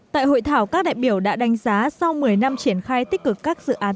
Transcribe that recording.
tại hội thảo các đại biểu đã đánh giá sau một mươi năm triển khai tích cực các dự án